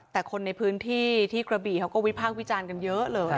แต่คนในพื้นที่ที่กระบี่เขาก็วิพากษ์วิจารณ์กันเยอะเลย